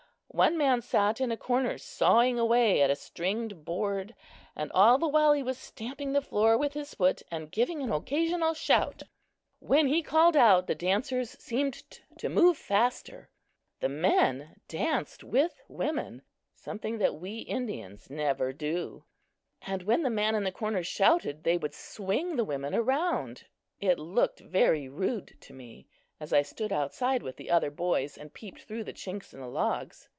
One man sat in a corner, sawing away at a stringed board, and all the while he was stamping the floor with his foot and giving an occasional shout. When he called out, the dancers seemed to move faster. The men danced with women something that we Indians never do and when the man in the corner shouted they would swing the women around. It looked very rude to me, as I stood outside with the other boys and peeped through the chinks in the logs.